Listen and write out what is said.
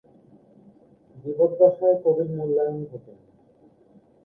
জীবদ্দশায় কবির মূল্যায়ন ঘটেনি।